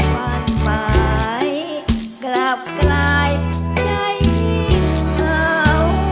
มันไปกลับกลายใจเขา